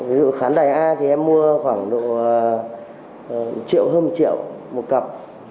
ví dụ khán đài a thì em mua khoảng độ triệu hơn một triệu một cặp